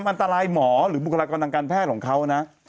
อันตรายหมอหรือบุคลากรทางการแพทย์ของเขานะ